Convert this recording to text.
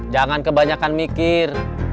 jangan kebanyakan mikir